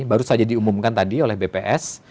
baru saja diumumkan tadi oleh bps